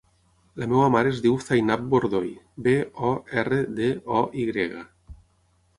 La meva mare es diu Zainab Bordoy: be, o, erra, de, o, i grega.